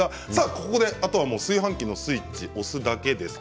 ここであとは炊飯器のスイッチを押すだけです。